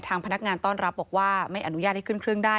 พนักงานต้อนรับบอกว่าไม่อนุญาตให้ขึ้นเครื่องได้